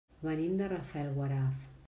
Venim de Rafelguaraf.